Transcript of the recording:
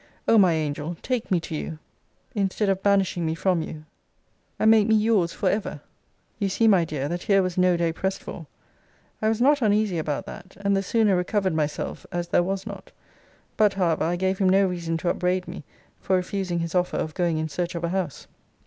O my angel, take me to you, instead of banishing me from you, and make me your's for ever. You see, my dear, that here was no day pressed for. I was not uneasy about that, and the sooner recovered myself, as there was not. But, however, I gave him no reason to upbraid me for refusing his offer of going in search of a house.